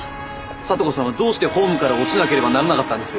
咲都子さんはどうしてホームから落ちなければならなかったんです？